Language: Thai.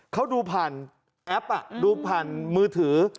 เขาดูผ่านแอปดูผ่านมือถือ